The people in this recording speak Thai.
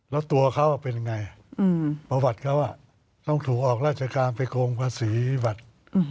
รับตัวเขาก็เป็นยังไงประวัติเขาต้องถูกออกราชกรามไปโครงภาษีบัตร